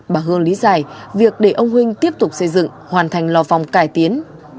bà hương lý giải việc để ông huynh tiếp tục xây dựng hoàn thành lò vòng cải tiến